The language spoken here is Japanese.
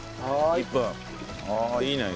ああいいね。